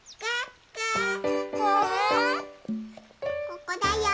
ここだよ。